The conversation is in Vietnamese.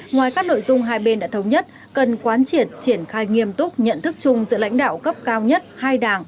ngoài các nội dung hai bên đã thống nhất cần quán triển triển khai nghiêm túc nhận thức chung giữa lãnh đạo cấp cao nhất hai đảng